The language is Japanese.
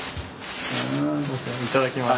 いただきます。